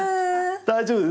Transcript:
大丈夫です。